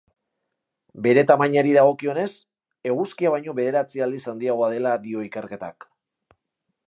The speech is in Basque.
Bere tamainari dagokionez, eguzkia baino bederatzi aldiz handiagoa dela dio ikerketak.